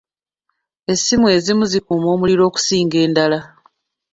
Essimu ezimu zikuuma omuliro okusinga endala.